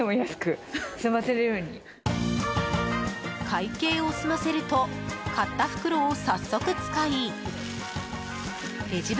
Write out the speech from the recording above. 会計を済ませると買った袋を早速使いレジ